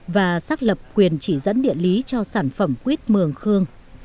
và xác lập quyền chỉ dẫn địa lý cho sản phẩm quýt mường khương